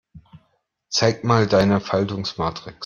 Zeig mal deine Faltungsmatrix.